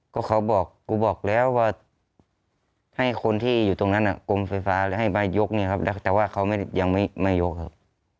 ก็เขาบอกกูบอกแล้วว่าให้คนที่อยู่ตรงนั้นกรมไฟฟ้าเลยให้ใบยกเนี่ยครับแต่ว่าเขายังไม่ยกครับ